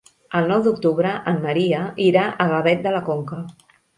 El nou d'octubre en Maria irà a Gavet de la Conca.